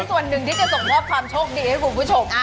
ส่วนหนึ่งที่จะส่งมอบความโชคดีให้คุณผู้ชม